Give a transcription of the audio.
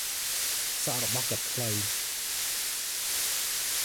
សក់របស់គាត់ខ្លី។